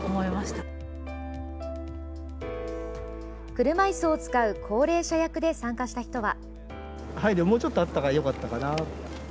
車いすを使う高齢者役で参加した人は。